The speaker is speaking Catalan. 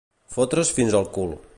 Fotre's fins al cul.